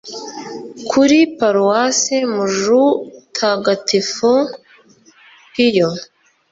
kuri paruwasi mjutagatifu piyo